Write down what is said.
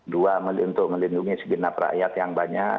dua untuk melindungi segenap rakyat yang banyak